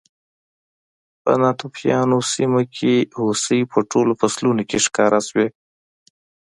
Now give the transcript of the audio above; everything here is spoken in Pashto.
په ناتوفیانو په سیمه کې هوسۍ په ټولو فصلونو کې ښکار شوې